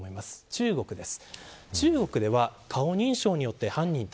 中国です。